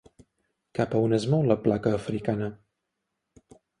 Cap a on es mou la placa africana?